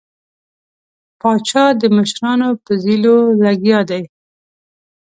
پاچا د مشرانو په ځپلو لګیا دی.